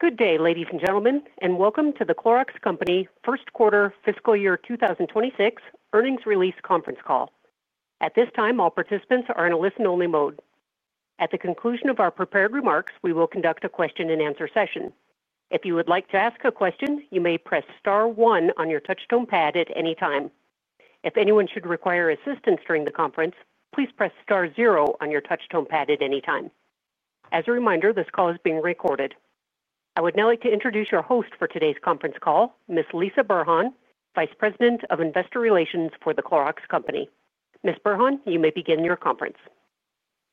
Good day, ladies and gentlemen, and welcome to The Clorox Company First Quarter Fiscal Year 2026 earnings release conference call. At this time, all participants are in a listen-only mode. At the conclusion of our prepared remarks, we will conduct a question-and-answer session. If you would like to ask a question, you may press star one on your touchstone pad at any time. If anyone should require assistance during the conference, please press star zero on your touchstone pad at any time. As a reminder, this call is being recorded. I would now like to introduce your host for today's conference call, Ms. Lisah Burhan, Vice President of Investor Relations for The Clorox Company. Ms. Burhan, you may begin your conference.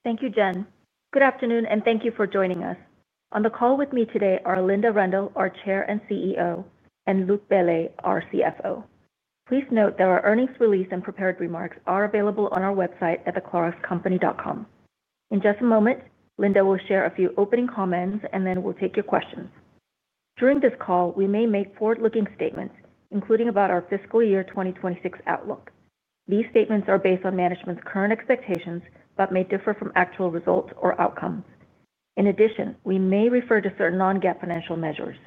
Thank you, Jen. Good afternoon, and thank you for joining us. On the call with me today are Linda Rendle, our Chair and CEO, and Luc Bellet, our CFO. Please note that our earnings release and prepared remarks are available on our website at thecloroxcompany.com. In just a moment, Linda will share a few opening comments and then will take your questions. During this call, we may make forward-looking statements, including about our fiscal year 2026 outlook. These statements are based on management's current expectations but may differ from actual results or outcomes. In addition, we may refer to certain non-GAAP financial measures.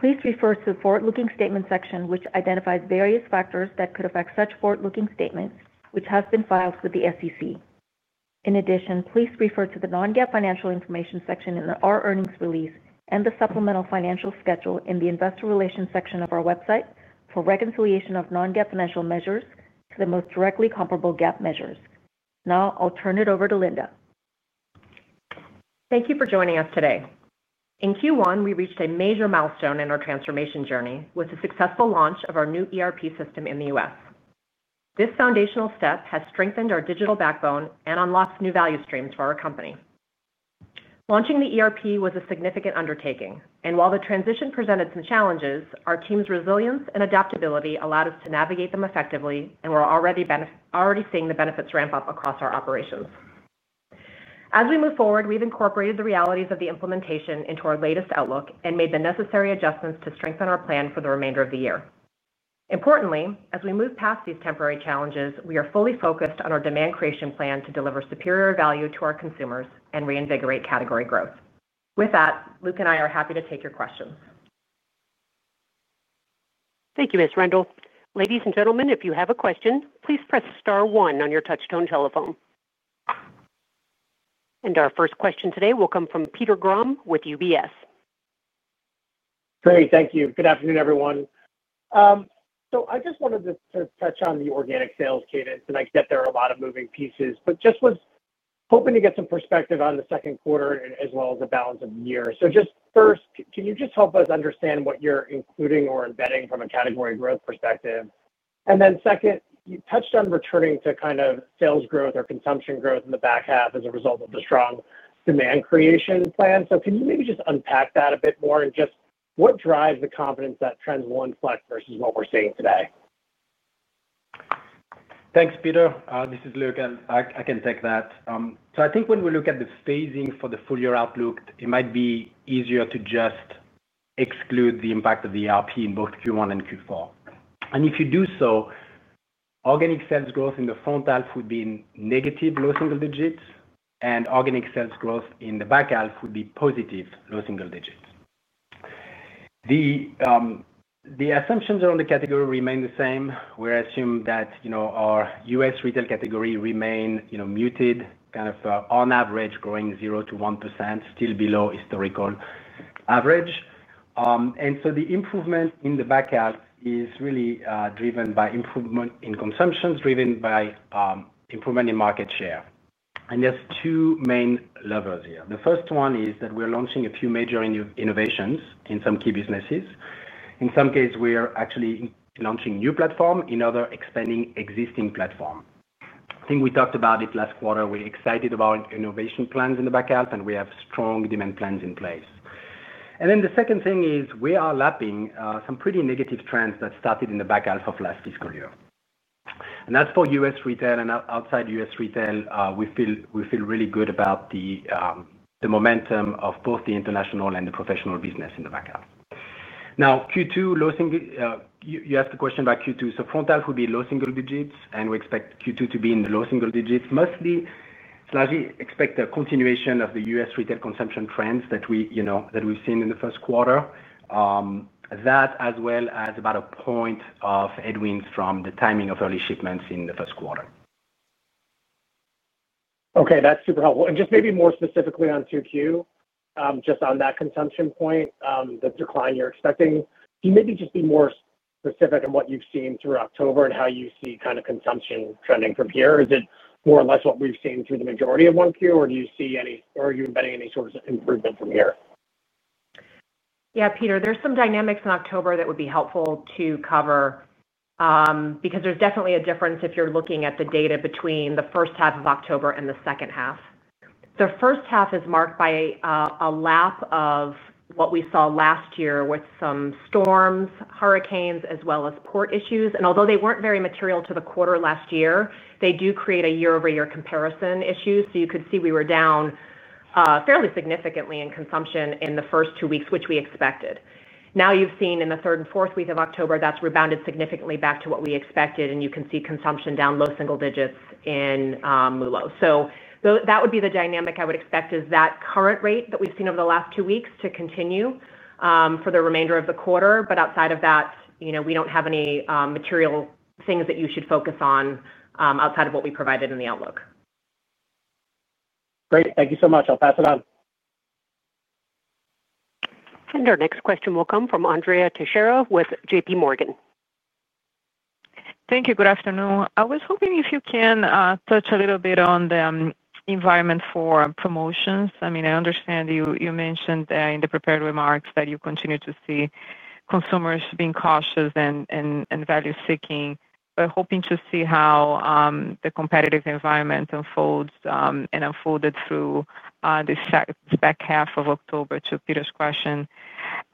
Please refer to the forward-looking statement section, which identifies various factors that could affect such forward-looking statements, which have been filed with the SEC. In addition, please refer to the non-GAAP financial information section in our earnings release and the supplemental financial schedule in the investor relations section of our website for reconciliation of non-GAAP financial measures to the most directly comparable GAAP measures. Now, I'll turn it over to Linda. Thank you for joining us today. In Q1, we reached a major milestone in our transformation journey with the successful launch of our new ERP system in the U.S. This foundational step has strengthened our digital backbone and unlocked new value streams for our company. Launching the ERP was a significant undertaking, and while the transition presented some challenges, our team's resilience and adaptability allowed us to navigate them effectively, and we're already seeing the benefits ramp up across our operations. As we move forward, we've incorporated the realities of the implementation into our latest outlook and made the necessary adjustments to strengthen our plan for the remainder of the year. Importantly, as we move past these temporary challenges, we are fully focused on our demand creation plan to deliver superior value to our consumers and reinvigorate category growth. With that, Luc and I are happy to take your questions. Thank you, Ms. Rendle. Ladies and gentlemen, if you have a question, please press star one on your touchstone telephone. Our first question today will come from Peter Grom with UBS. Great. Thank you. Good afternoon, everyone. I just wanted to touch on the organic sales cadence, and I get there are a lot of moving pieces, but I was hoping to get some perspective on the second quarter as well as the balance of the year. First, can you just help us understand what you're including or embedding from a category growth perspective? Second, you touched on returning to kind of sales growth or consumption growth in the back half as a result of the strong demand creation plan. Can you maybe just unpack that a bit more and what drives the confidence that trends will inflect versus what we're seeing today? Thanks, Peter. This is Luc, and I can take that. I think when we look at the phasing for the full year outlook, it might be easier to just exclude the impact of the ERP in both Q1 and Q4. If you do so, organic sales growth in the front half would be negative, low single digits, and organic sales growth in the back half would be positive, low single digits. The assumptions around the category remain the same. We assume that our U.S. retail category remains muted, kind of on average growing 0%-1%, still below historical average. The improvement in the back half is really driven by improvement in consumption, driven by improvement in market share. There are two main levers here. The first one is that we're launching a few major innovations in some key businesses. In some cases, we're actually launching a new platform, in others, expanding existing platforms. I think we talked about it last quarter. We're excited about innovation plans in the back half, and we have strong demand plans in place. The second thing is we are lapping some pretty negative trends that started in the back half of last fiscal year. That's for U.S. retail and outside U.S. retail. We feel really good about the momentum of both the international and the professional business in the back half. Q2, you asked a question about Q2. Front half would be low single digits, and we expect Q2 to be in the low single digits. Mostly, slightly expect a continuation of the U.S. retail consumption trends that we've seen in the first quarter. That, as well as about a point of headwinds from the timing of early shipments in the first quarter. Okay. That's super helpful. Just maybe more specifically on 2Q, just on that consumption point, the decline you're expecting, can you maybe just be more specific on what you've seen through October and how you see kind of consumption trending from here? Is it more or less what we've seen through the majority of 1Q, or do you see any—or are you embedding any sort of improvement from here? Yeah, Peter, there's some dynamics in October that would be helpful to cover. Because there's definitely a difference if you're looking at the data between the first half of October and the second half. The first half is marked by a lap of what we saw last year with some storms, hurricanes, as well as port issues. Although they weren't very material to the quarter last year, they do create a year-over-year comparison issue. You could see we were down fairly significantly in consumption in the first two weeks, which we expected. Now you've seen in the third and fourth week of October, that's rebounded significantly back to what we expected, and you can see consumption down low single digits in MULO. That would be the dynamic I would expect is that current rate that we've seen over the last two weeks to continue for the remainder of the quarter. Outside of that, we don't have any material things that you should focus on outside of what we provided in the outlook. Great. Thank you so much. I'll pass it on. Our next question will come from Andrea Teixeira with JPMorgan. Thank you. Good afternoon. I was hoping if you can touch a little bit on the environment for promotions. I mean, I understand you mentioned in the prepared remarks that you continue to see consumers being cautious and value-seeking. Hoping to see how the competitive environment unfolds and unfolded through this back half of October to Peter's question.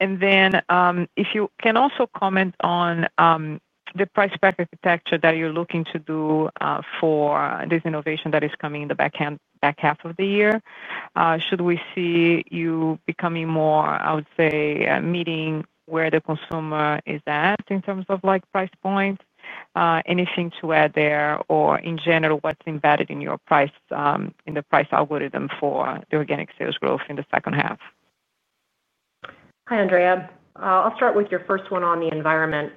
If you can also comment on the price pack architecture that you're looking to do for this innovation that is coming in the back half of the year, should we see you becoming more, I would say, meeting where the consumer is at in terms of price point? Anything to add there? In general, what's embedded in the price algorithm for the organic sales growth in the second half? Hi, Andrea. I'll start with your first one on the environment.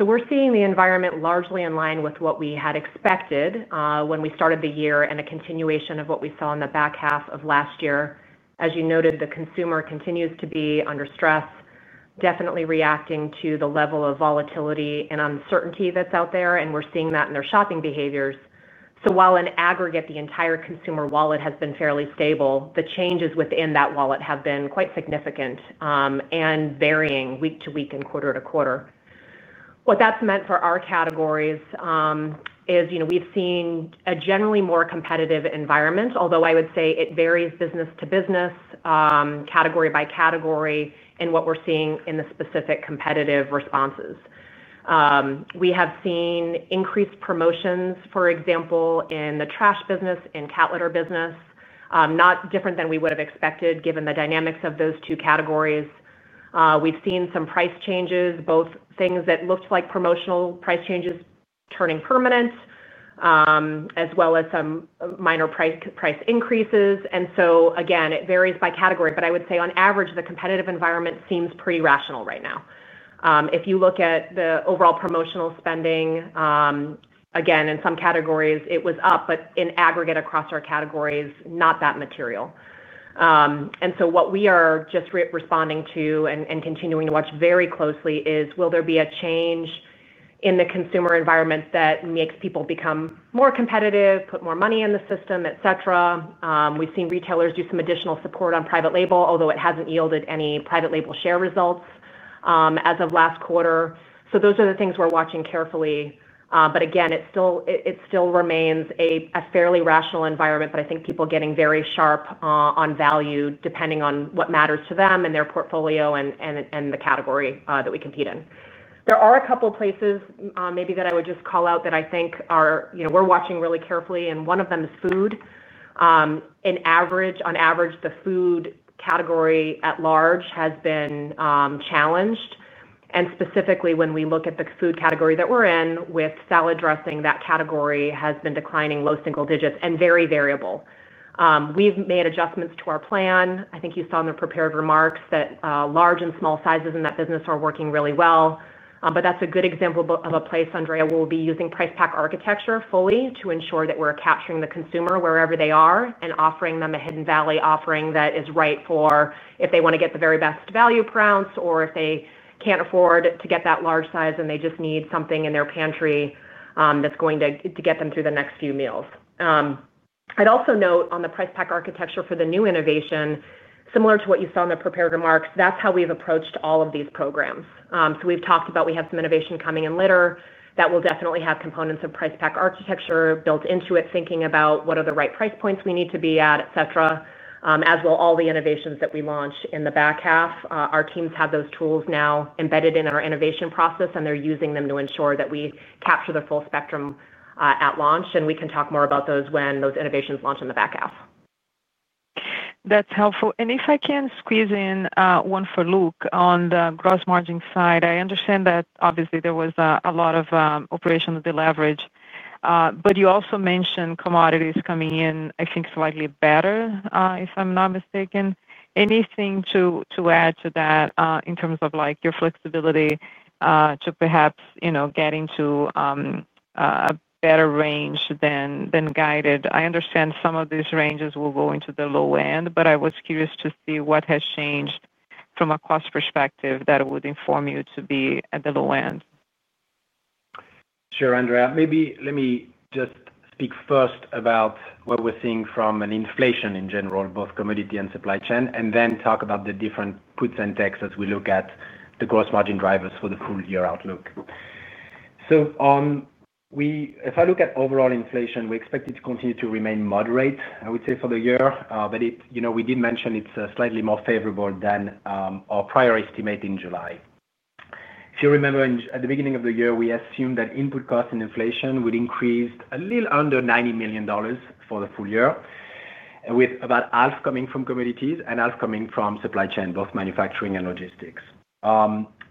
We're seeing the environment largely in line with what we had expected when we started the year and a continuation of what we saw in the back half of last year. As you noted, the consumer continues to be under stress, definitely reacting to the level of volatility and uncertainty that's out there, and we're seeing that in their shopping behaviors. While in aggregate, the entire consumer wallet has been fairly stable, the changes within that wallet have been quite significant and varying week to week and quarter to quarter. What that's meant for our categories is we've seen a generally more competitive environment, although I would say it varies business to business, category by category, and what we're seeing in the specific competitive responses. We have seen increased promotions, for example, in the trash business, in cat litter business. Not different than we would have expected given the dynamics of those two categories. We've seen some price changes, both things that looked like promotional price changes turning permanent as well as some minor price increases. Again, it varies by category, but I would say on average, the competitive environment seems pretty rational right now. If you look at the overall promotional spending, in some categories, it was up, but in aggregate across our categories, not that material. What we are just responding to and continuing to watch very closely is, will there be a change in the consumer environment that makes people become more competitive, put more money in the system, etc.? We've seen retailers do some additional support on private label, although it hasn't yielded any private label share results as of last quarter. Those are the things we're watching carefully. Again, it still remains a fairly rational environment, but I think people are getting very sharp on value depending on what matters to them and their portfolio and the category that we compete in. There are a couple of places maybe that I would just call out that I think we're watching really carefully, and one of them is food. On average, the food category at large has been challenged. Specifically, when we look at the food category that we're in with salad dressing, that category has been declining low single digits and very variable. We've made adjustments to our plan. I think you saw in the prepared remarks that large and small sizes in that business are working really well. That is a good example of a place, Andrea, where we will be using price pack architecture fully to ensure that we are capturing the consumer wherever they are and offering them a hidden value offering that is right for if they want to get the very best value per ounce or if they cannot afford to get that large size and they just need something in their pantry that is going to get them through the next few meals. I would also note on the price pack architecture for the new innovation, similar to what you saw in the prepared remarks, that is how we have approached all of these programs. We have talked about we have some innovation coming in litter that will definitely have components of price pack architecture built into it, thinking about what are the right price points we need to be at, etc., as well as all the innovations that we launch in the back half. Our teams have those tools now embedded in our innovation process, and they are using them to ensure that we capture the full spectrum at launch. We can talk more about those when those innovations launch in the back half. That's helpful. If I can squeeze in one for Luc on the gross margin side, I understand that obviously there was a lot of operational deleverage. You also mentioned commodities coming in, I think, slightly better, if I'm not mistaken. Anything to add to that in terms of your flexibility to perhaps get into a better range than guided? I understand some of these ranges will go into the low end, but I was curious to see what has changed from a cost perspective that would inform you to be at the low end. Sure, Andrea. Maybe let me just speak first about what we're seeing from inflation in general, both commodity and supply chain, and then talk about the different puts and takes as we look at the gross margin drivers for the full year outlook. If I look at overall inflation, we expect it to continue to remain moderate, I would say, for the year. We did mention it's slightly more favorable than our prior estimate in July. If you remember, at the beginning of the year, we assumed that input costs and inflation would increase a little under $90 million for the full year, with about half coming from commodities and half coming from supply chain, both manufacturing and logistics.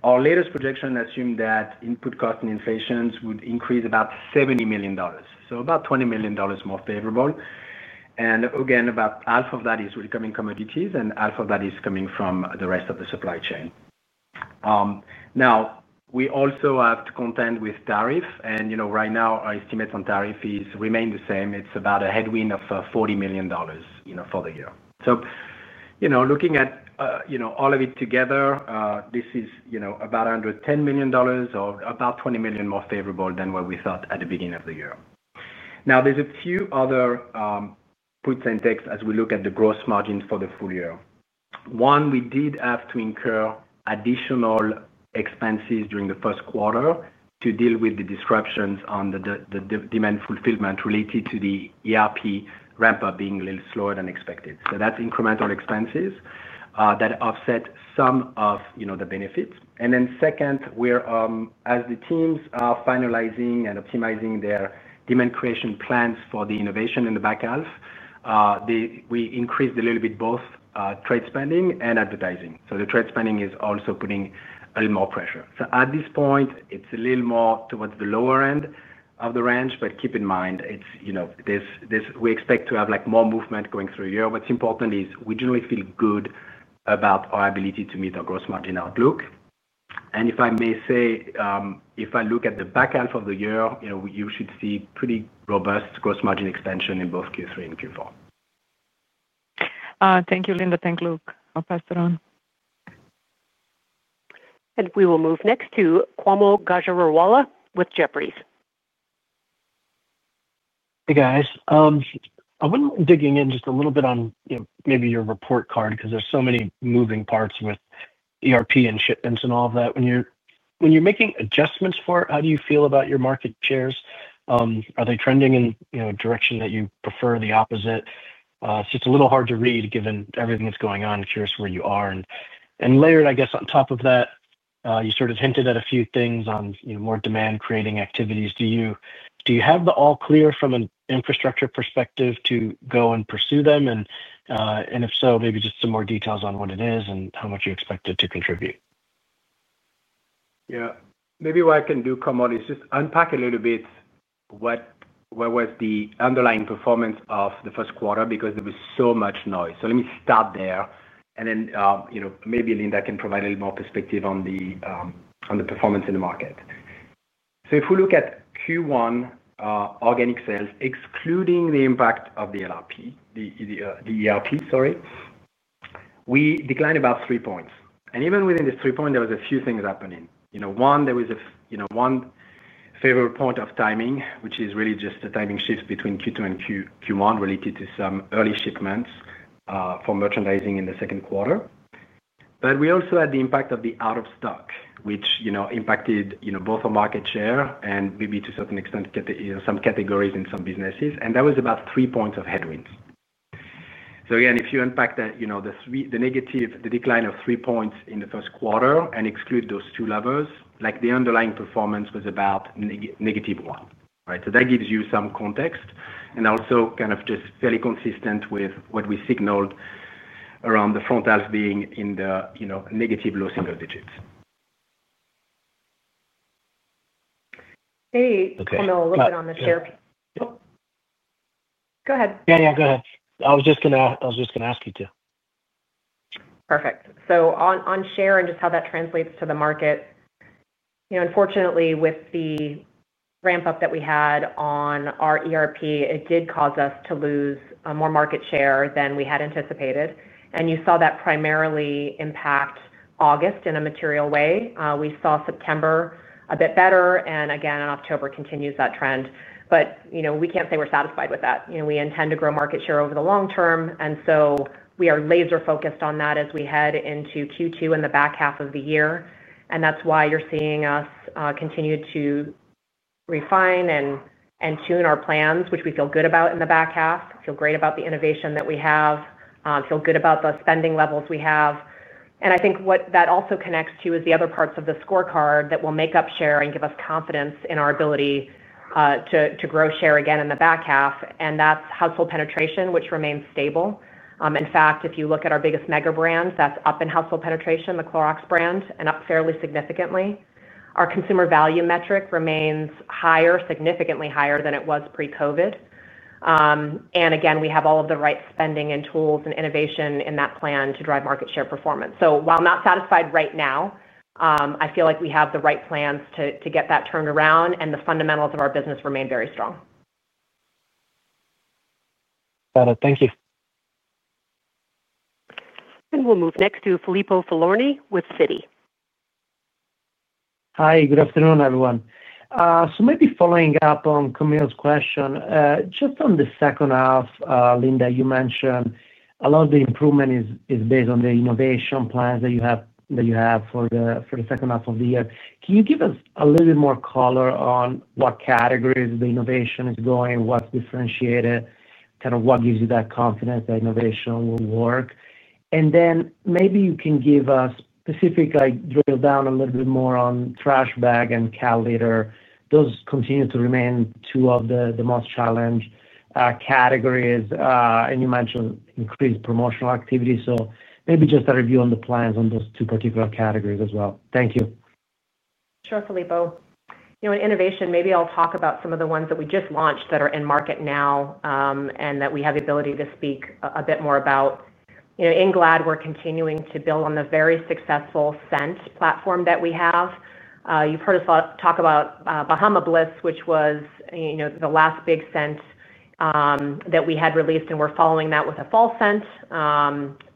Our latest projection assumed that input costs and inflation would increase about $70 million, so about $20 million more favorable. Again, about half of that is coming from commodities, and half of that is coming from the rest of the supply chain. We also have to contend with tariffs, and right now, our estimates on tariffs remain the same. It's about a headwind of $40 million for the year. Looking at all of it together, this is about $110 million or about $20 million more favorable than what we thought at the beginning of the year. Now, there's a few other puts and takes as we look at the gross margins for the full year. One, we did have to incur additional expenses during the first quarter to deal with the disruptions on the demand fulfillment related to the ERP ramp-up being a little slower than expected. That's incremental expenses that offset some of the benefits. Second, as the teams are finalizing and optimizing their demand creation plans for the innovation in the back half, we increased a little bit both trade spending and advertising. The trade spending is also putting a little more pressure. At this point, it's a little more towards the lower end of the range. Keep in mind, we expect to have more movement going through a year. What's important is we generally feel good about our ability to meet our gross margin outlook. If I may say, if I look at the back half of the year, you should see pretty robust gross margin expansion in both Q3 and Q4. Thank you, Linda. Thank you, Luc. I'll pass it on. We will move next to Kaumil Gajrawala with Jefferies. Hey, guys. I've been digging in just a little bit on maybe your report card because there's so many moving parts with ERP and shipments and all of that. When you're making adjustments for it, how do you feel about your market shares? Are they trending in a direction that you prefer or the opposite? It's just a little hard to read given everything that's going on. I'm curious where you are. Layered, I guess on top of that, you sort of hinted at a few things on more demand-creating activities. Do you have the all-clear from an infrastructure perspective to go and pursue them? If so, maybe just some more details on what it is and how much you expect it to contribute. Yeah. Maybe what I can do, Kaumil, is just unpack a little bit what was the underlying performance of the first quarter because there was so much noise. Let me start there. Then maybe Linda can provide a little more perspective on the performance in the market. If we look at Q1, organic sales, excluding the impact of the ERP, sorry, we declined about 3 points. Even within this 3 points, there were a few things happening. One, there was one favorable point of timing, which is really just a timing shift between Q2 and Q1 related to some early shipments for merchandising in the second quarter. We also had the impact of the out-of-stock, which impacted both our market share and maybe to a certain extent some categories in some businesses. That was about 3 points of headwinds. Again, if you unpack the decline of 3 points in the first quarter and exclude those two levers, the underlying performance was about -1. That gives you some context. Also, kind of just fairly consistent with what we signaled around the front half being in the negative low single digits. Hey, Kaumil, a little bit on the share. Go ahead. Yeah, yeah, go ahead. I was just going to ask you to. Perfect. On share and just how that translates to the market. Unfortunately, with the ramp-up that we had on our ERP, it did cause us to lose more market share than we had anticipated. You saw that primarily impact August in a material way. We saw September a bit better. Again, October continues that trend. We cannot say we are satisfied with that. We intend to grow market share over the long term. We are laser-focused on that as we head into Q2 in the back half of the year. That is why you are seeing us continue to refine and tune our plans, which we feel good about in the back half, feel great about the innovation that we have, feel good about the spending levels we have. I think what that also connects to is the other parts of the scorecard that will make up share and give us confidence in our ability to grow share again in the back half. That is household penetration, which remains stable. In fact, if you look at our biggest mega brands, that is up in household penetration, the Clorox brand, and up fairly significantly. Our consumer value metric remains higher, significantly higher than it was pre-COVID. Again, we have all of the right spending and tools and innovation in that plan to drive market share performance. While not satisfied right now, I feel like we have the right plans to get that turned around and the fundamentals of our business remain very strong. Got it. Thank you. We'll move next to Filippo Falorni with Citi. Hi, good afternoon, everyone. Maybe following up on Kaumil's question, just on the second half, Linda, you mentioned a lot of the improvement is based on the innovation plans that you have for the second half of the year. Can you give us a little bit more color on what categories the innovation is going, what's differentiated, kind of what gives you that confidence that innovation will work? Maybe you can give us specific drill down a little bit more on trash bag and cat litter. Those continue to remain two of the most challenged categories. You mentioned increased promotional activity. Maybe just a review on the plans on those two particular categories as well. Thank you. Sure, Filippo. In innovation, maybe I'll talk about some of the ones that we just launched that are in market now, and that we have the ability to speak a bit more about. In Glad, we're continuing to build on the very successful scent platform that we have. You've heard us talk about Bahama Bliss, which was the last big scent that we had released. We're following that with a fall scent,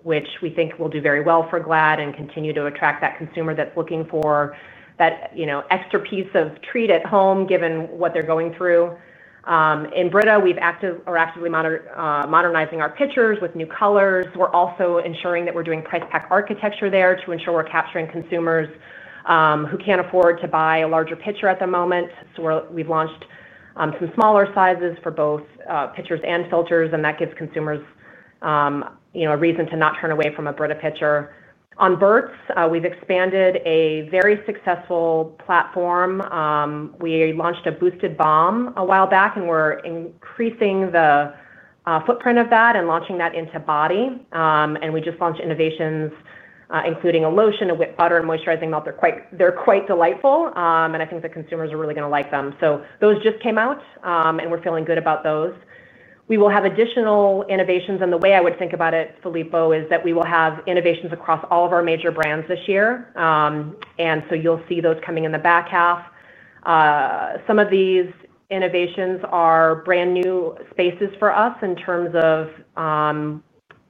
which we think will do very well for Glad and continue to attract that consumer that's looking for that extra piece of treat at home given what they're going through. In Brita, we're actively modernizing our pitchers with new colors. We're also ensuring that we're doing price pack architecture there to ensure we're capturing consumers who can't afford to buy a larger pitcher at the moment. We've launched some smaller sizes for both pitchers and filters, and that gives consumers a reason to not turn away from a Brita pitcher. On Burt's, we've expanded a very successful platform. We launched a boosted balm a while back, and we're increasing the footprint of that and launching that into body. We just launched innovations, including a lotion, a wet butter, and moisturizing melt. They're quite delightful, and I think the consumers are really going to like them. Those just came out, and we're feeling good about those. We will have additional innovations. The way I would think about it, Filippo, is that we will have innovations across all of our major brands this year, and you'll see those coming in the back half. Some of these innovations are brand new spaces for us in terms of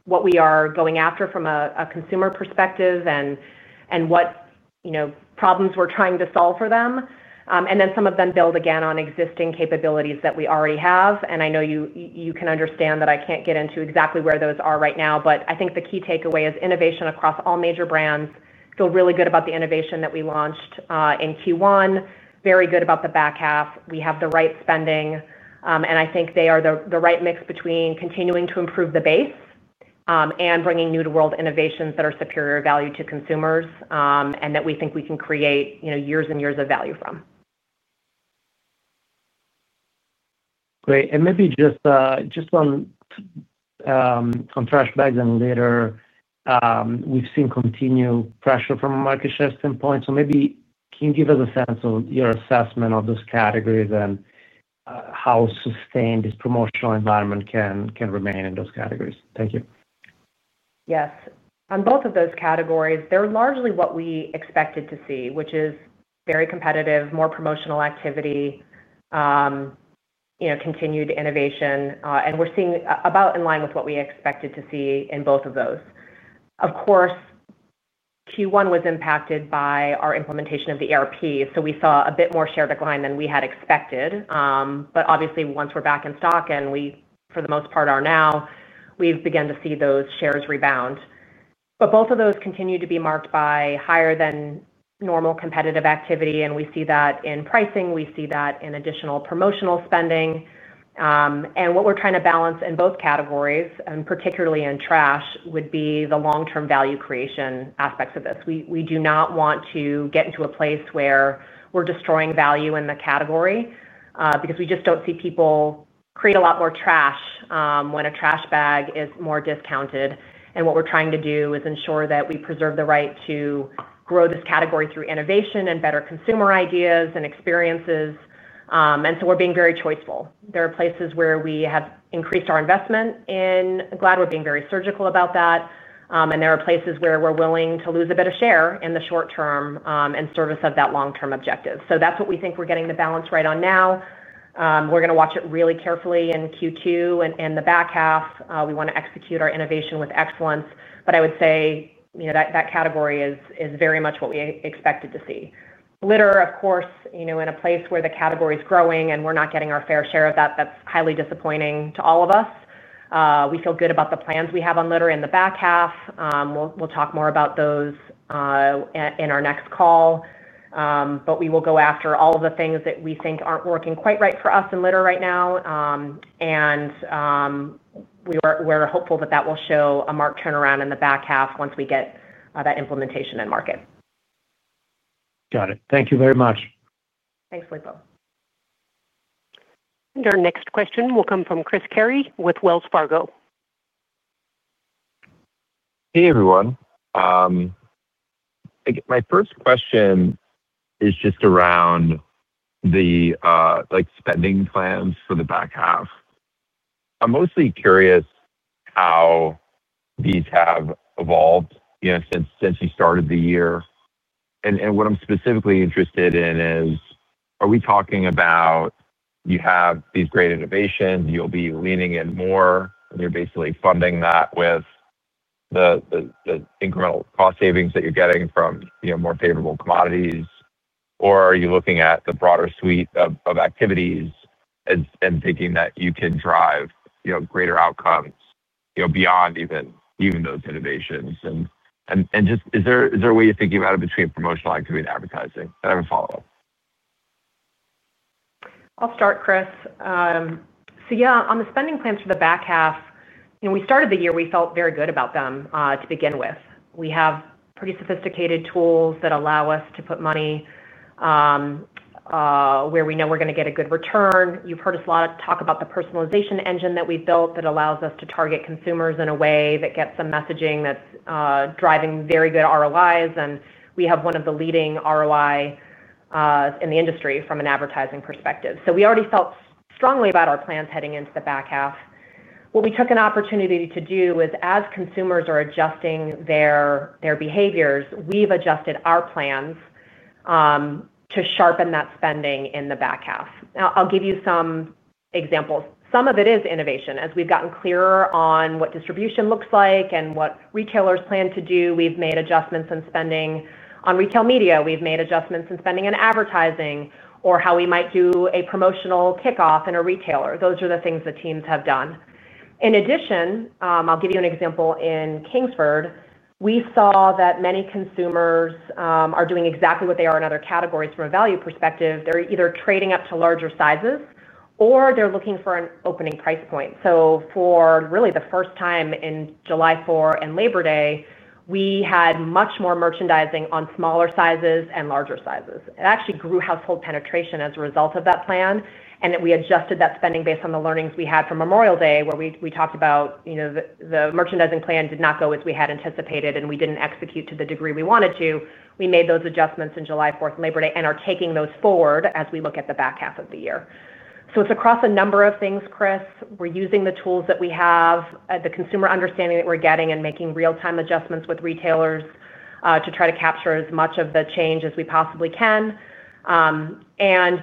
what we are going after from a consumer perspective and what problems we're trying to solve for them. Some of them build again on existing capabilities that we already have. I know you can understand that I can't get into exactly where those are right now, but I think the key takeaway is innovation across all major brands. Feel really good about the innovation that we launched in Q1, very good about the back half. We have the right spending, and I think they are the right mix between continuing to improve the base and bringing new-to-world innovations that are superior value to consumers and that we think we can create years and years of value from. Great. Maybe just on trash bags and litter. We've seen continued pressure from a market share standpoint. Maybe can you give us a sense of your assessment of those categories and how sustained this promotional environment can remain in those categories? Thank you. Yes. On both of those categories, they're largely what we expected to see, which is very competitive, more promotional activity. Continued innovation. We're seeing about in line with what we expected to see in both of those. Of course, Q1 was impacted by our implementation of the ERP. We saw a bit more share decline than we had expected. Obviously, once we're back in stock, and we, for the most part, are now, we've begun to see those shares rebound. Both of those continue to be marked by higher than normal competitive activity. We see that in pricing. We see that in additional promotional spending. What we're trying to balance in both categories, and particularly in trash, would be the long-term value creation aspects of this. We do not want to get into a place where we're destroying value in the category because we just don't see people create a lot more trash when a trash bag is more discounted. What we're trying to do is ensure that we preserve the right to grow this category through innovation and better consumer ideas and experiences. We're being very choiceful. There are places where we have increased our investment in Glad. We're being very surgical about that. There are places where we're willing to lose a bit of share in the short term in service of that long-term objective. That's what we think we're getting the balance right on now. We're going to watch it really carefully in Q2 and the back half. We want to execute our innovation with excellence. I would say that category is very much what we expected to see. Litter, of course, in a place where the category is growing and we're not getting our fair share of that, that's highly disappointing to all of us. We feel good about the plans we have on litter in the back half. We'll talk more about those in our next call. We will go after all of the things that we think aren't working quite right for us in litter right now. We're hopeful that that will show a marked turnaround in the back half once we get that implementation in market. Got it. Thank you very much. Thanks, Filippo. Our next question will come from Chris Carey with Wells Fargo. Hey, everyone. My first question is just around the spending plans for the back half. I'm mostly curious how these have evolved since you started the year. What I'm specifically interested in is, are we talking about you have these great innovations, you'll be leaning in more, and you're basically funding that with the incremental cost savings that you're getting from more favorable commodities, or are you looking at the broader suite of activities and thinking that you can drive greater outcomes beyond even those innovations? Is there a way you're thinking about it between promotional activity and advertising? I have a follow-up. I'll start, Chris. Yeah, on the spending plans for the back half, we started the year, we felt very good about them to begin with. We have pretty sophisticated tools that allow us to put money where we know we're going to get a good return. You've heard us a lot talk about the personalization engine that we've built that allows us to target consumers in a way that gets some messaging that's driving very good ROIs. We have one of the leading ROI in the industry from an advertising perspective. We already felt strongly about our plans heading into the back half. What we took an opportunity to do is, as consumers are adjusting their behaviors, we've adjusted our plans to sharpen that spending in the back half. I'll give you some examples. Some of it is innovation. As we've gotten clearer on what distribution looks like and what retailers plan to do, we've made adjustments in spending on retail media. We've made adjustments in spending in advertising or how we might do a promotional kickoff in a retailer. Those are the things that teams have done. In addition, I'll give you an example in Kingsford. We saw that many consumers are doing exactly what they are in other categories from a value perspective. They're either trading up to larger sizes or they're looking for an opening price point. For really the first time in July 4 and Labor Day, we had much more merchandising on smaller sizes and larger sizes. It actually grew household penetration as a result of that plan. We adjusted that spending based on the learnings we had from Memorial Day, where we talked about the merchandising plan did not go as we had anticipated, and we didn't execute to the degree we wanted to. We made those adjustments in July 4 and Labor Day and are taking those forward as we look at the back half of the year. It's across a number of things, Chris. We're using the tools that we have, the consumer understanding that we're getting, and making real-time adjustments with retailers to try to capture as much of the change as we possibly can.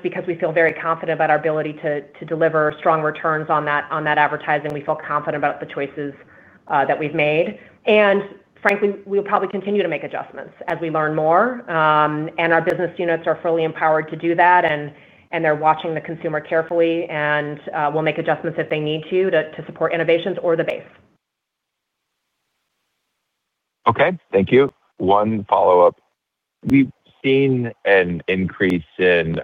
Because we feel very confident about our ability to deliver strong returns on that advertising, we feel confident about the choices that we've made. Frankly, we'll probably continue to make adjustments as we learn more. Our business units are fully empowered to do that. They're watching the consumer carefully and will make adjustments if they need to to support innovations or the base. Okay. Thank you. One follow-up. We've seen an increase in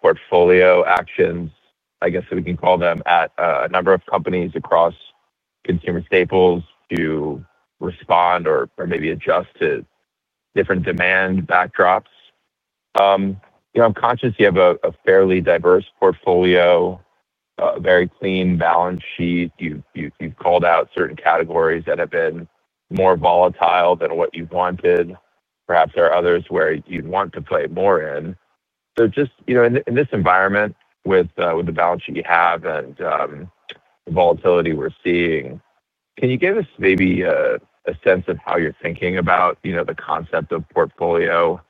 portfolio actions, I guess we can call them, at a number of companies across consumer staples to respond or maybe adjust to different demand backdrops. I'm conscious you have a fairly diverse portfolio. Very clean balance sheet. You've called out certain categories that have been more volatile than what you wanted. Perhaps there are others where you'd want to play more in. Just in this environment, with the balance sheet you have and the volatility we're seeing, can you give us maybe a sense of how you're thinking about the concept of portfolio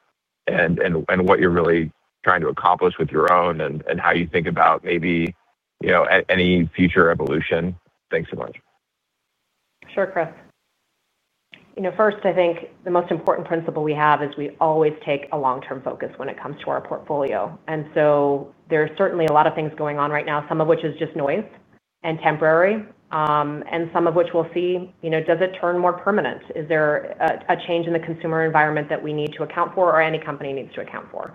and what you're really trying to accomplish with your own and how you think about maybe any future evolution? Thanks so much. Sure, Chris. First, I think the most important principle we have is we always take a long-term focus when it comes to our portfolio. There is certainly a lot of things going on right now, some of which is just noise and temporary, and some of which we'll see. Does it turn more permanent? Is there a change in the consumer environment that we need to account for or any company needs to account for?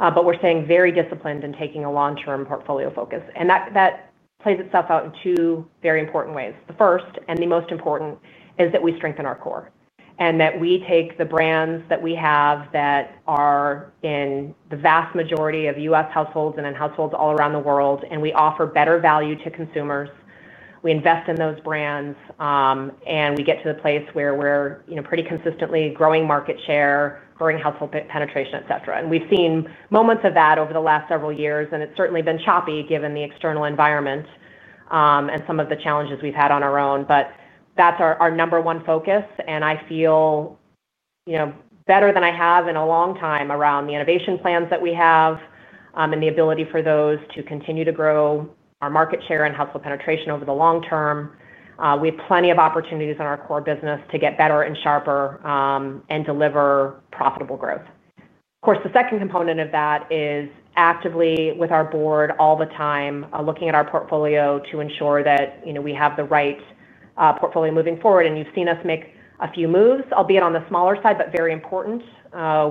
We are staying very disciplined and taking a long-term portfolio focus. That plays itself out in two very important ways. The first and the most important is that we strengthen our core and that we take the brands that we have that are in the vast majority of U.S. households and in households all around the world, and we offer better value to consumers. We invest in those brands, and we get to the place where we're pretty consistently growing market share, growing household penetration, etc. We've seen moments of that over the last several years. It has certainly been choppy given the external environment and some of the challenges we've had on our own. That is our number one focus. I feel better than I have in a long time around the innovation plans that we have and the ability for those to continue to grow our market share and household penetration over the long term. We have plenty of opportunities in our core business to get better and sharper and deliver profitable growth. Of course, the second component of that is actively with our board all the time looking at our portfolio to ensure that we have the right portfolio moving forward. You've seen us make a few moves, albeit on the smaller side, but very important.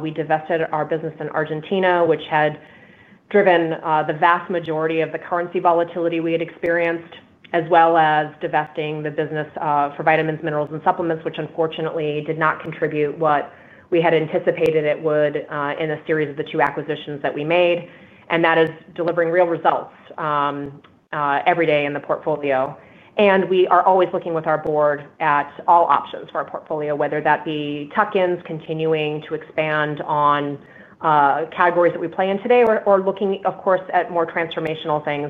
We divested our business in Argentina, which had driven the vast majority of the currency volatility we had experienced, as well as divesting the business for vitamins, minerals, and supplements, which unfortunately did not contribute what we had anticipated it would in a series of the two acquisitions that we made. That is delivering real results every day in the portfolio. We are always looking with our board at all options for our portfolio, whether that be tuck-ins continuing to expand on categories that we play in today or looking, of course, at more transformational things,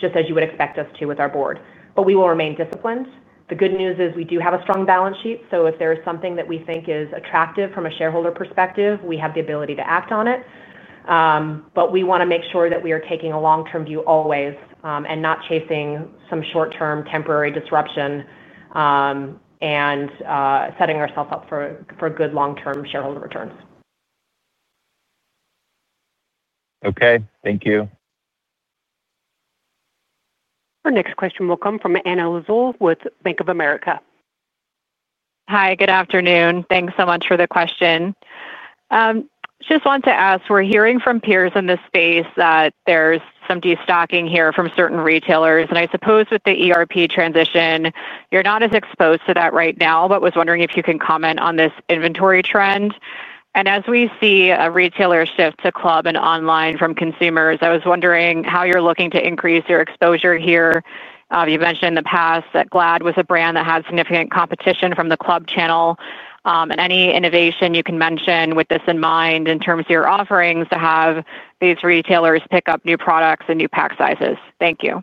just as you would expect us to with our board. We will remain disciplined. The good news is we do have a strong balance sheet. If there is something that we think is attractive from a shareholder perspective, we have the ability to act on it. We want to make sure that we are taking a long-term view always and not chasing some short-term temporary disruption. Setting ourselves up for good long-term shareholder returns. Okay. Thank you. Our next question will come from Anna Lizzul with Bank of America. Hi. Good afternoon. Thanks so much for the question. Just want to ask, we're hearing from peers in this space that there's some destocking here from certain retailers. I suppose with the ERP transition, you're not as exposed to that right now, but was wondering if you can comment on this inventory trend. As we see a retailer shift to club and online from consumers, I was wondering how you're looking to increase your exposure here. You've mentioned in the past that Glad was a brand that had significant competition from the club channel. Any innovation you can mention with this in mind in terms of your offerings to have these retailers pick up new products and new pack sizes? Thank you.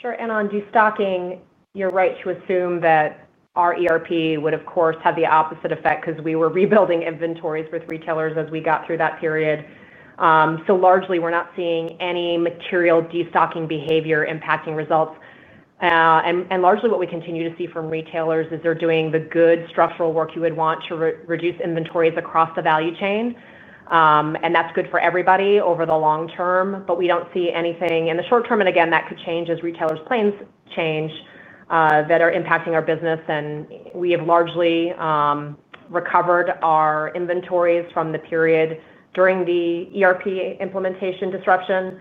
Sure. On destocking, you're right to assume that our ERP would, of course, have the opposite effect because we were rebuilding inventories with retailers as we got through that period. Largely, we're not seeing any material destocking behavior impacting results. Largely, what we continue to see from retailers is they're doing the good structural work you would want to reduce inventories across the value chain. That's good for everybody over the long term. We don't see anything in the short term. Again, that could change as retailers' plans change that are impacting our business. We have largely recovered our inventories from the period during the ERP implementation disruption.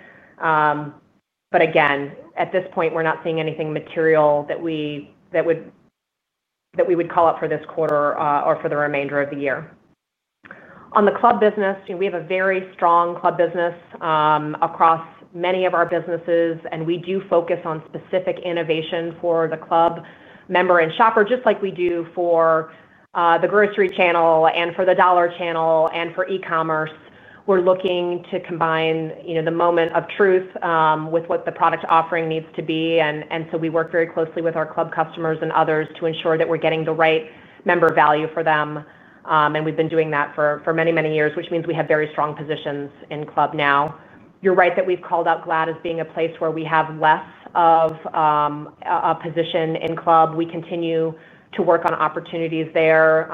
Again, at this point, we're not seeing anything material that we would call out for this quarter or for the remainder of the year. On the club business, we have a very strong club business across many of our businesses. We do focus on specific innovation for the club member and shopper, just like we do for the grocery channel and for the dollar channel and for e-commerce. We're looking to combine the moment of truth with what the product offering needs to be. We work very closely with our club customers and others to ensure that we're getting the right member value for them. We've been doing that for many, many years, which means we have very strong positions in club now. You're right that we've called out Glad as being a place where we have less of a position in club. We continue to work on opportunities there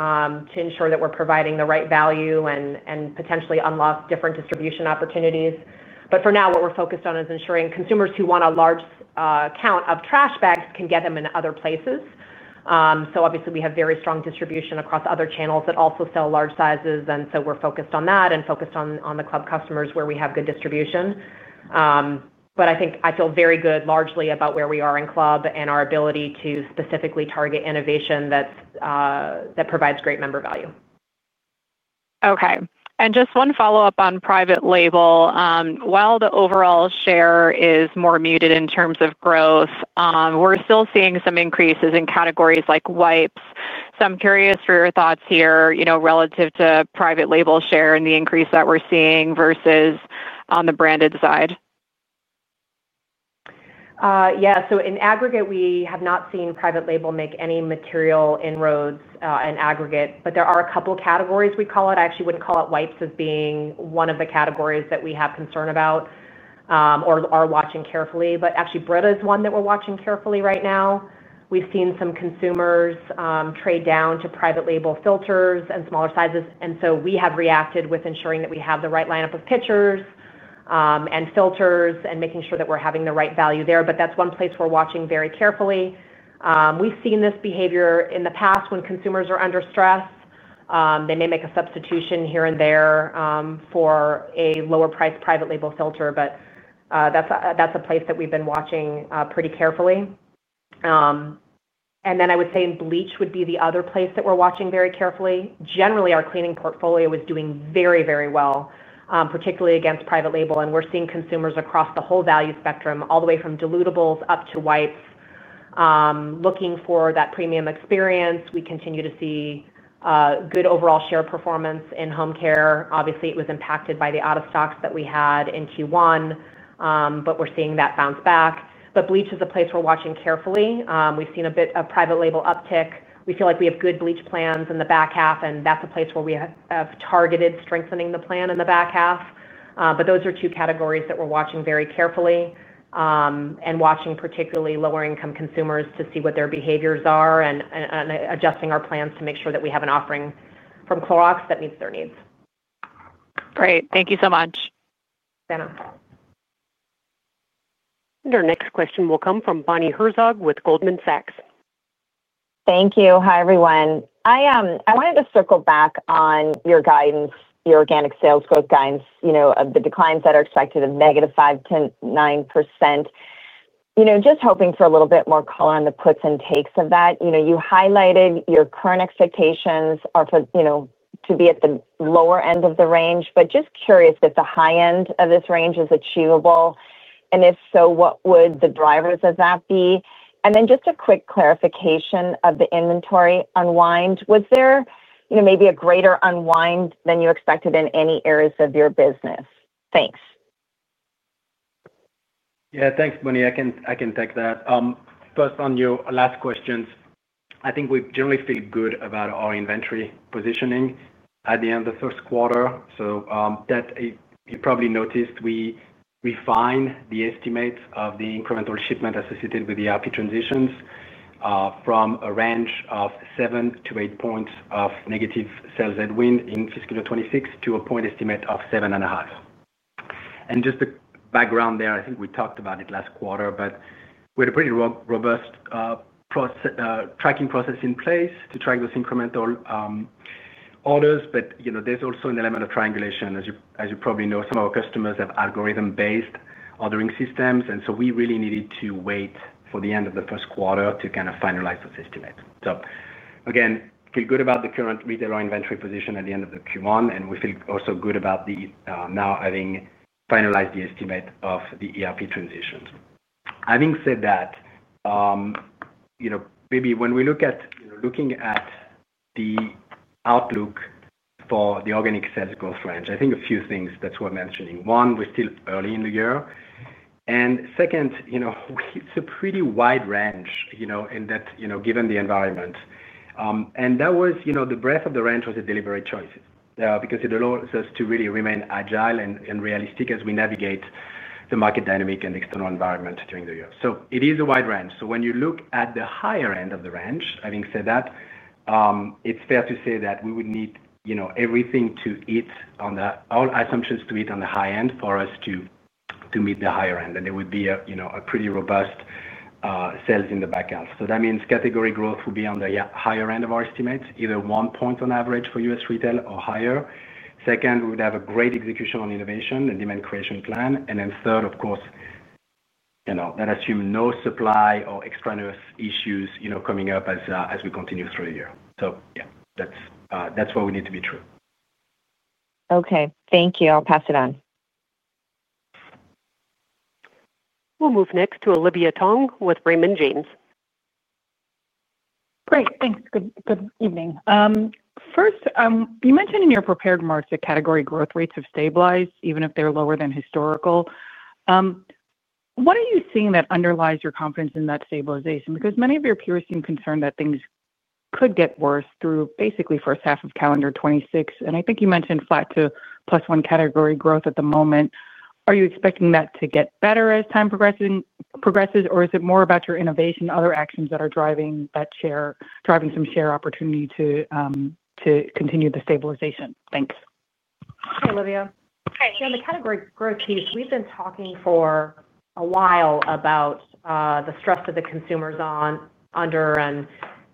to ensure that we're providing the right value and potentially unlock different distribution opportunities. For now, what we're focused on is ensuring consumers who want a large count of trash bags can get them in other places. Obviously, we have very strong distribution across other channels that also sell large sizes. We're focused on that and focused on the club customers where we have good distribution. I feel very good largely about where we are in club and our ability to specifically target innovation that provides great member value. Okay. Just one follow-up on private label. While the overall share is more muted in terms of growth, we're still seeing some increases in categories like wipes. I'm curious for your thoughts here relative to private label share and the increase that we're seeing versus on the branded side. Yeah. In aggregate, we have not seen private label make any material inroads in aggregate. There are a couple of categories we call out. I actually would not call out wipes as being one of the categories that we have concern about or are watching carefully. Actually, Brita is one that we are watching carefully right now. We have seen some consumers trade down to private label filters and smaller sizes. We have reacted with ensuring that we have the right lineup of pitchers and filters and making sure that we are having the right value there. That is one place we are watching very carefully. We have seen this behavior in the past when consumers are under stress. They may make a substitution here and there for a lower-priced private label filter. That is a place that we have been watching pretty carefully. I would say bleach would be the other place that we are watching very carefully. Generally, our cleaning portfolio is doing very, very well, particularly against private label. We are seeing consumers across the whole value spectrum, all the way from dilutables up to wipes, looking for that premium experience. We continue to see good overall share performance in home care. Obviously, it was impacted by the out-of-stocks that we had in Q1. We are seeing that bounce back. Bleach is a place we are watching carefully. We have seen a bit of private label uptick. We feel like we have good bleach plans in the back half. That is a place where we have targeted strengthening the plan in the back half. Those are two categories that we are watching very carefully and watching particularly lower-income consumers to see what their behaviors are and adjusting our plans to make sure that we have an offering from Clorox that meets their needs. Great. Thank you so much. Yeah. Our next question will come from Bonnie Herzog with Goldman Sachs. Thank you. Hi, everyone. I wanted to circle back on your guidance, your organic sales growth guidance, the declines that are expected of negative -5% to 9%. Just hoping for a little bit more color on the puts and takes of that. You highlighted your current expectations are to be at the lower end of the range. Just curious if the high end of this range is achievable. If so, what would the drivers of that be? Then just a quick clarification of the inventory unwind. Was there maybe a greater unwind than you expected in any areas of your business? Thanks. Yeah. Thanks, Bonnie. I can take that. First, on your last questions, I think we generally feel good about our inventory positioning at the end of the first quarter. You probably noticed we refined the estimates of the incremental shipment associated with the ERP transitions from a range of 7points -8 points of negative sales headwind in fiscal year 2026 to a point estimate of 7.5 points. Just the background there, I think we talked about it last quarter, but we had a pretty robust tracking process in place to track those incremental orders. There is also an element of triangulation. As you probably know, some of our customers have algorithm-based ordering systems, and we really needed to wait for the end of the first quarter to kind of finalize those estimates. Again, feel good about the current retailer inventory position at the end of Q1, and we feel also good about now having finalized the estimate of the ERP transitions. Having said that, maybe when we look at the outlook for the organic sales growth range, I think a few things are worth mentioning. One, we're still early in the year. Second, it is a pretty wide range given the environment, and the breadth of the range was a deliberate choice because it allows us to really remain agile and realistic as we navigate the market dynamic and external environment during the year. It is a wide range. When you look at the higher end of the range, having said that, it is fair to say that we would need everything to hit on all assumptions to hit on the high end for us to meet the higher end, and there would be pretty robust sales in the back end. That means category growth would be on the higher end of our estimates, either one percentage point on average for U.S. retail or higher. Second, we would have great execution on innovation and demand creation plan. Third, of course, that assumes no supply or extraneous issues coming up as we continue through the year. Yeah, that's what we need to be true. Okay. Thank you. I'll pass it on. We'll move next to Olivia Tong with Raymond James. Great. Thanks. Good evening. First, you mentioned in your prepared marks that category growth rates have stabilized, even if they're lower than historical. What are you seeing that underlies your confidence in that stabilization? Because many of your peers seem concerned that things could get worse through basically first half of calendar 2026. And I think you mentioned flat to +1% category growth at the moment. Are you expecting that to get better as time progresses, or is it more about your innovation, other actions that are driving that share, driving some share opportunity to continue the stabilization? Thanks. Hi, Olivia. On the category growth piece, we've been talking for a while about the stress that the consumers are under and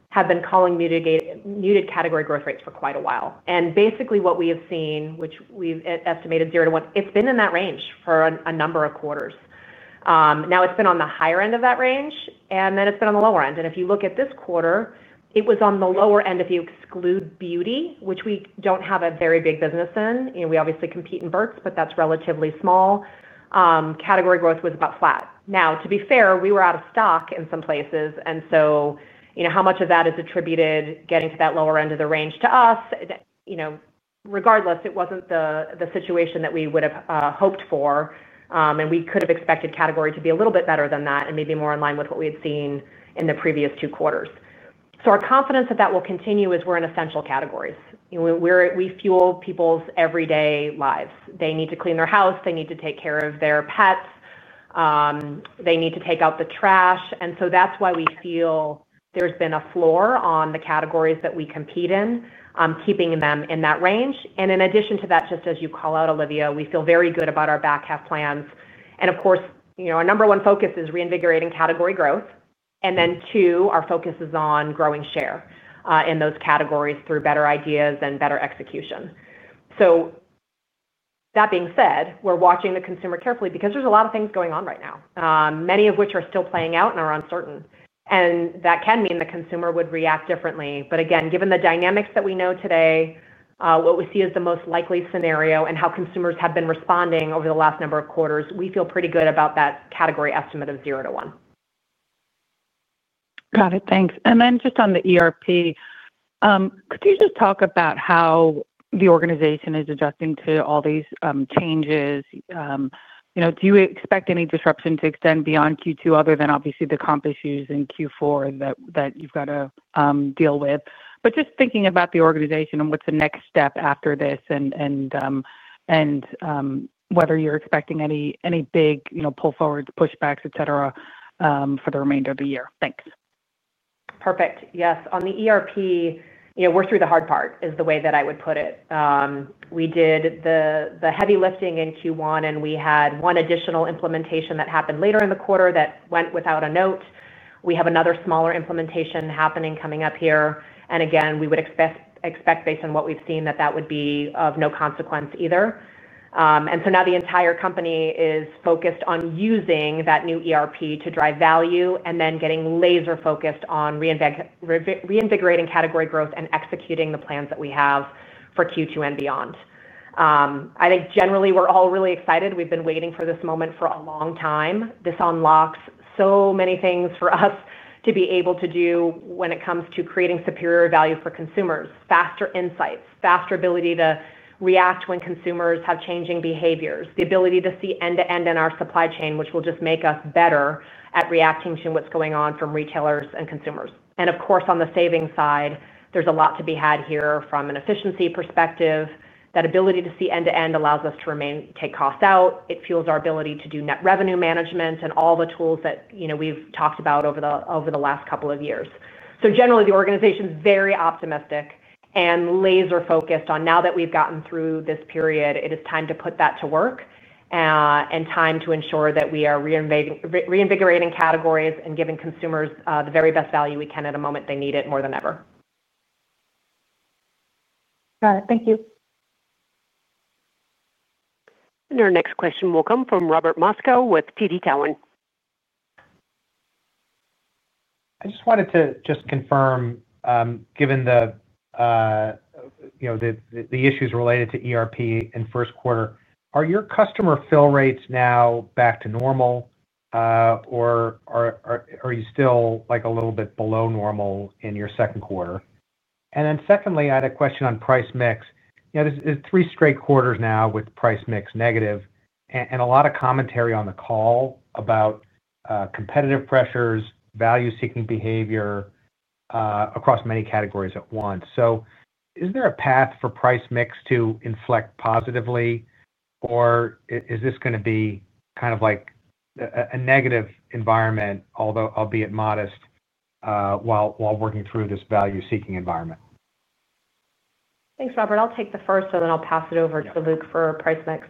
have been calling muted category growth rates for quite a while. Basically, what we have seen, which we've estimated zero to one, it's been in that range for a number of quarters. It's been on the higher end of that range, and then it's been on the lower end. If you look at this quarter, it was on the lower end if you exclude beauty, which we don't have a very big business in. We obviously compete in Burt's, but that's relatively small. Category growth was about flat. To be fair, we were out of stock in some places, and so how much of that is attributed, getting to that lower end of the range, to us? Regardless, it wasn't the situation that we would have hoped for. We could have expected category to be a little bit better than that and maybe more in line with what we had seen in the previous two quarters. Our confidence that that will continue is we're in essential categories. We fuel people's everyday lives. They need to clean their house. They need to take care of their pets. They need to take out the trash. That's why we feel there's been a floor on the categories that we compete in, keeping them in that range. In addition to that, just as you call out, Olivia, we feel very good about our back half plans. Of course, our number one focus is reinvigorating category growth. Then two, our focus is on growing share in those categories through better ideas and better execution. That being said, we're watching the consumer carefully because there's a lot of things going on right now, many of which are still playing out and are uncertain. That can mean the consumer would react differently. Again, given the dynamics that we know today, what we see as the most likely scenario and how consumers have been responding over the last number of quarters, we feel pretty good about that category estimate of 0%-1%. Got it. Thanks. And then just on the ERP. Could you just talk about how the organization is adjusting to all these changes? Do you expect any disruption to extend beyond Q2 other than obviously the comp issues in Q4 that you've got to deal with? But just thinking about the organization and what's the next step after this and. Whether you're expecting any big pull forwards, pushbacks, etc., for the remainder of the year. Thanks. Perfect. Yes. On the ERP, we're through the hard part, is the way that I would put it. We did the heavy lifting in Q1, and we had one additional implementation that happened later in the quarter that went without a note. We have another smaller implementation happening coming up here. Again, we would expect, based on what we've seen, that that would be of no consequence either. Now the entire company is focused on using that new ERP to drive value and then getting laser-focused on reinvigorating category growth and executing the plans that we have for Q2 and beyond. I think generally, we're all really excited. We've been waiting for this moment for a long time. This unlocks so many things for us to be able to do when it comes to creating superior value for consumers, faster insights, faster ability to react when consumers have changing behaviors, the ability to see end-to-end in our supply chain, which will just make us better at reacting to what's going on from retailers and consumers. Of course, on the savings side, there's a lot to be had here from an efficiency perspective. That ability to see end-to-end allows us to take costs out. It fuels our ability to do net revenue management and all the tools that we've talked about over the last couple of years. Generally, the organization is very optimistic and laser-focused on now that we've gotten through this period, it is time to put that to work. Time to ensure that we are reinvigorating categories and giving consumers the very best value we can at a moment they need it more than ever. Got it. Thank you. Our next question will come from Robert Moskow with TD Cowen. I just wanted to confirm. Given the issues related to ERP in first quarter, are your customer fill rates now back to normal? Or are you still a little bit below normal in your second quarter? Secondly, I had a question on price mix. There are three straight quarters now with price mix negative and a lot of commentary on the call about competitive pressures, value-seeking behavior across many categories at once. Is there a path for price mix to inflect positively, or is this going to be kind of like a negative environment, albeit modest, while working through this value-seeking environment? Thanks, Robert. I'll take the first, and then I'll pass it over to Luc for price mix.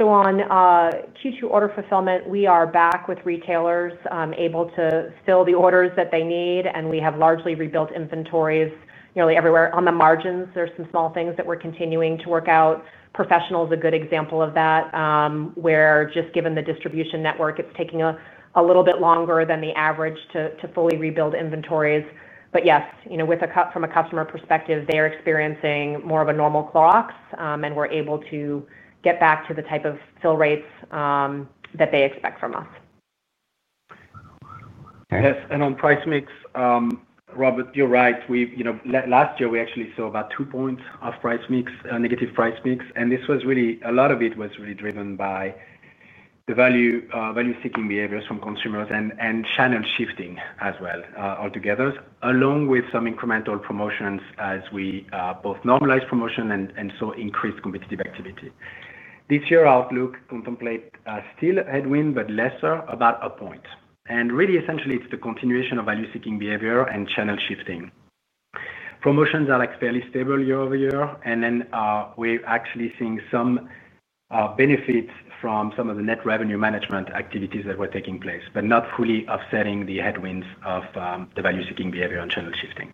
On Q2 order fulfillment, we are back with retailers able to fill the orders that they need, and we have largely rebuilt inventories nearly everywhere. On the margins, there are some small things that we're continuing to work out. Professional is a good example of that, where just given the distribution network, it's taking a little bit longer than the average to fully rebuild inventories. Yes, from a customer perspective, they are experiencing more of a normal Clorox, and we're able to get back to the type of fill rates that they expect from us. Yes. On price mix, Robert, you're right. Last year, we actually saw about two points of negative price mix. This was really, a lot of it was really driven by the value-seeking behaviors from consumers and channel shifting as well altogether, along with some incremental promotions as we both normalized promotion and saw increased competitive activity. This year, outlook contemplates still headwind, but lesser, about a point. Really, essentially, it's the continuation of value-seeking behavior and channel shifting. Promotions are fairly stable year over year. We're actually seeing some benefits from some of the net revenue management activities that were taking place, but not fully offsetting the headwinds of the value-seeking behavior and channel shifting.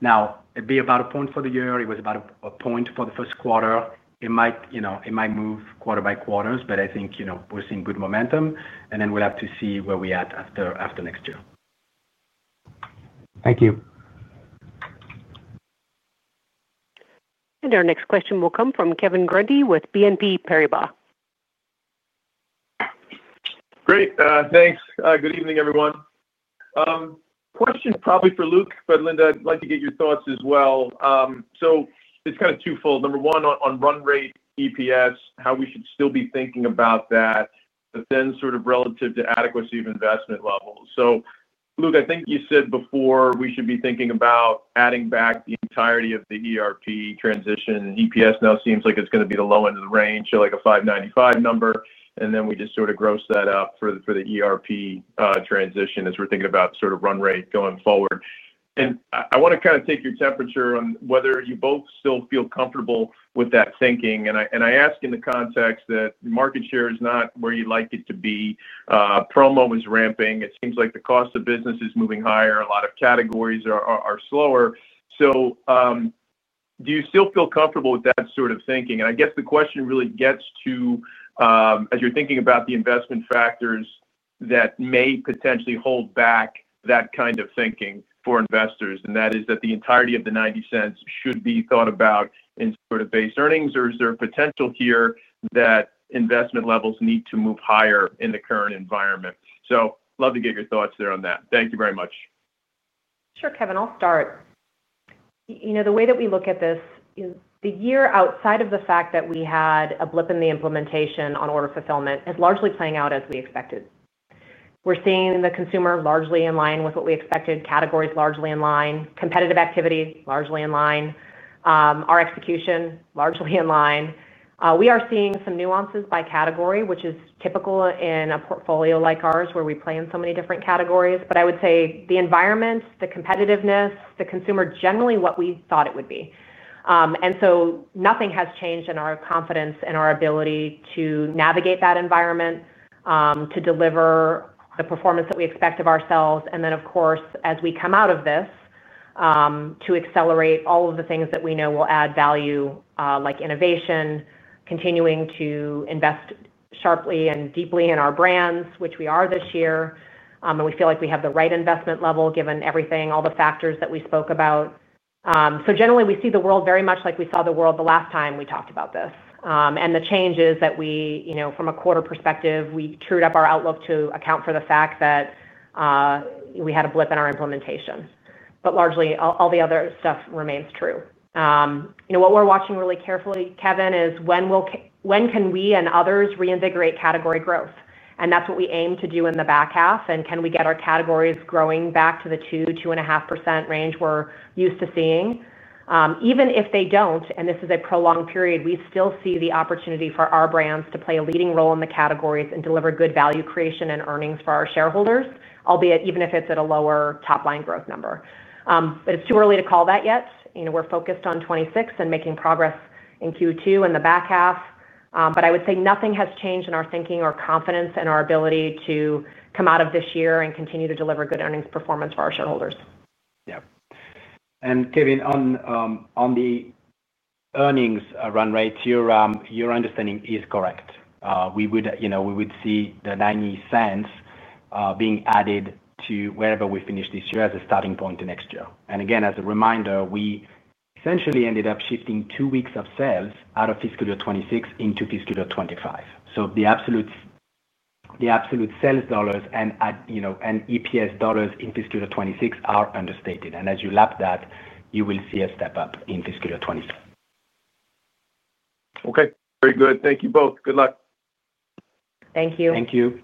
Now, it'd be about a point for the year. It was about a point for the first quarter. It might move quarter by quarter, but I think we're seeing good momentum. We'll have to see where we're at after next year. Thank you. Our next question will come from Kevin Grundy with BNP Paribas. Great. Thanks. Good evening, everyone. Question probably for Luc, but Linda, I'd like to get your thoughts as well. It is kind of twofold. Number one, on run rate, EPS, how we should still be thinking about that. Then sort of relative to adequacy of investment levels. Luc, I think you said before we should be thinking about adding back the entirety of the ERP transition. EPS now seems like it is going to be the low end of the range, so like a $5.95 number. We just sort of gross that up for the ERP transition as we are thinking about sort of run rate going forward. I want to kind of take your temperature on whether you both still feel comfortable with that thinking. I ask in the context that market share is not where you would like it to be. Promo is ramping. It seems like the cost of business is moving higher. A lot of categories are slower. Do you still feel comfortable with that sort of thinking? I guess the question really gets to, as you are thinking about the investment factors that may potentially hold back that kind of thinking for investors, and that is that the entirety of the $0.90 should be thought about in sort of base earnings, or is there a potential here that investment levels need to move higher in the current environment? Love to get your thoughts there on that. Thank you very much. Sure, Kevin. I'll start. The way that we look at this is the year, outside of the fact that we had a blip in the implementation on order fulfillment, is largely playing out as we expected. We're seeing the consumer largely in line with what we expected, categories largely in line, competitive activity largely in line, our execution largely in line. We are seeing some nuances by category, which is typical in a portfolio like ours where we play in so many different categories. I would say the environment, the competitiveness, the consumer, generally what we thought it would be. Nothing has changed in our confidence and our ability to navigate that environment to deliver the performance that we expect of ourselves. Of course, as we come out of this, to accelerate all of the things that we know will add value, like innovation, continuing to invest sharply and deeply in our brands, which we are this year. We feel like we have the right investment level given everything, all the factors that we spoke about. Generally, we see the world very much like we saw the world the last time we talked about this. The change is that from a quarter perspective, we trued up our outlook to account for the fact that we had a blip in our implementation. Largely, all the other stuff remains true. What we're watching really carefully, Kevin, is when can we and others reinvigorate category growth? That's what we aim to do in the back half. Can we get our categories growing back to the 2%-2.5% range we're used to seeing? Even if they don't, and this is a prolonged period, we still see the opportunity for our brands to play a leading role in the categories and deliver good value creation and earnings for our shareholders, albeit even if it's at a lower top-line growth number. It's too early to call that yet. We're focused on 2026 and making progress in Q2 in the back half. I would say nothing has changed in our thinking or confidence in our ability to come out of this year and continue to deliver good earnings performance for our shareholders. Yeah. Kevin, on the earnings run rate, your understanding is correct. We would see the $0.90 being added to wherever we finish this year as a starting point to next year. Again, as a reminder, we essentially ended up shifting two weeks of sales out of fiscal year 2026 into fiscal year 2025. The absolute sales dollars and EPS dollars in fiscal year 2026 are understated. As you lap that, you will see a step up in fiscal year 2026. Okay. Very good. Thank you both. Good luck. Thank you. Thank you.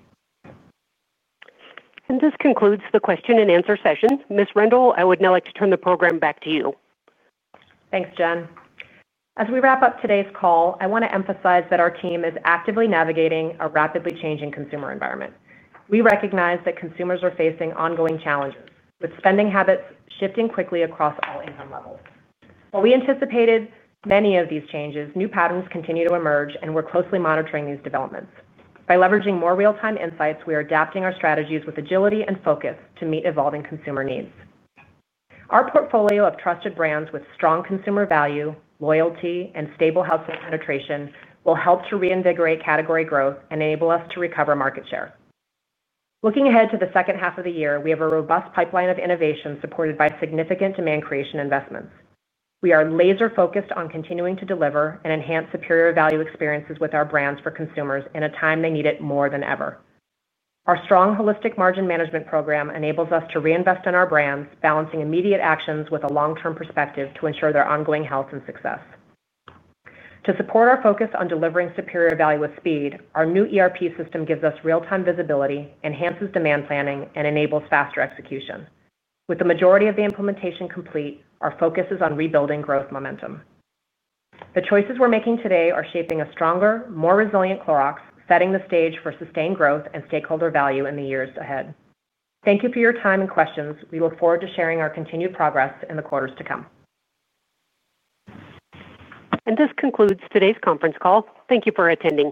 This concludes the question and answer session. Ms. Rendle, I would now like to turn the program back to you. Thanks, Jen. As we wrap up today's call, I want to emphasize that our team is actively navigating a rapidly changing consumer environment. We recognize that consumers are facing ongoing challenges, with spending habits shifting quickly across all income levels. While we anticipated many of these changes, new patterns continue to emerge, and we're closely monitoring these developments. By leveraging more real-time insights, we are adapting our strategies with agility and focus to meet evolving consumer needs. Our portfolio of trusted brands with strong consumer value, loyalty, and stable household penetration will help to reinvigorate category growth and enable us to recover market share. Looking ahead to the second half of the year, we have a robust pipeline of innovation supported by significant demand creation investments. We are laser-focused on continuing to deliver and enhance superior value experiences with our brands for consumers in a time they need it more than ever. Our strong holistic margin management program enables us to reinvest in our brands, balancing immediate actions with a long-term perspective to ensure their ongoing health and success. To support our focus on delivering superior value with speed, our new ERP system gives us real-time visibility, enhances demand planning, and enables faster execution. With the majority of the implementation complete, our focus is on rebuilding growth momentum. The choices we're making today are shaping a stronger, more resilient Clorox, setting the stage for sustained growth and stakeholder value in the years ahead. Thank you for your time and questions. We look forward to sharing our continued progress in the quarters to come. This concludes today's conference call. Thank you for attending.